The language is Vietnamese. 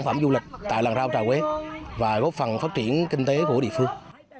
phẩm du lịch tại làng rau trà quế và góp phần phát triển kinh tế của địa phương